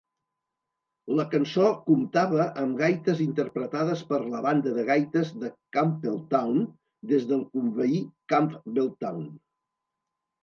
La cançó comptava amb gaites interpretades per la banda de gaites de Campbeltown des del conveí Campbeltown.